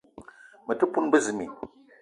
Me te poun bezimbi